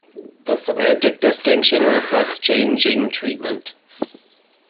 The semantic distinction reflects changing treatment.